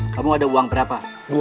kamu ada uang berapa